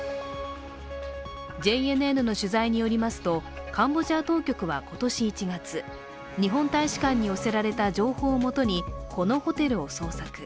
ＪＮＮの取材によりますとカンボジア当局は今年１月、日本大使館に寄せられた情報をもとにこのホテルを捜索。